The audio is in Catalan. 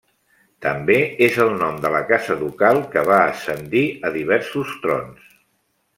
També és el nom de la casa ducal, que va ascendir a diversos trons.